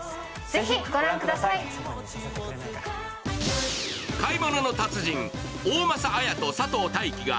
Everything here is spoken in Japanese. ぜひ御覧ください。